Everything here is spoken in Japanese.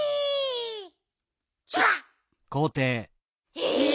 え！